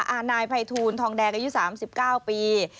อาณายไพทูลทองแดงอายุ๓๙ปี